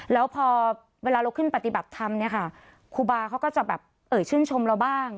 แล้วพอเวลาเราขึ้นปฏิบัติธรรมเนี่ยค่ะครูบาเขาก็จะแบบเอ่ยชื่นชมเราบ้าง